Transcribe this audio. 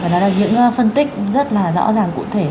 đó là những phân tích rất là rõ ràng cụ thể